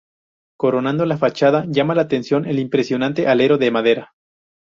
Coronando la fachada llama la atención el impresionante alero de madera.